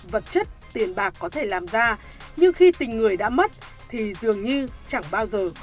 vật chất tiền bạc có thể làm ra nhưng khi tình người đã mất thì dường như chẳng bao giờ có thể lấy lại được